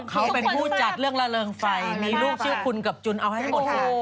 เขาเป็นผู้จัดเรื่องระเริงไฟมีลูกชื่อคุณกับจุนเอาให้หมดเลย